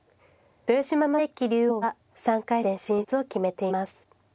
豊島将之竜王は３回戦進出を決めています。